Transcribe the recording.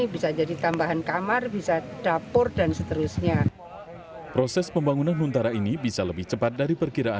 ketahanannya berapa lama kira kira